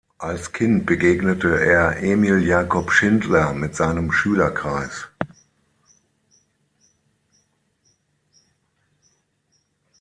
Als Kind begegnete er Emil Jakob Schindler mit seinem Schülerkreis.